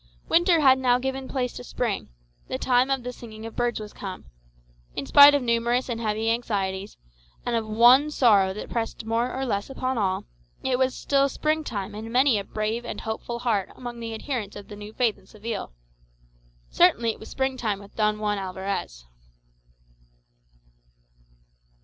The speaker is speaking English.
Winter had now given place to spring; the time of the singing of birds was come. In spite of numerous and heavy anxieties, and of one sorrow that pressed more or less upon all, it was still spring time in many a brave and hopeful heart amongst the adherents of the new faith in Seville. Certainly it was spring time with Don Juan Alvarez.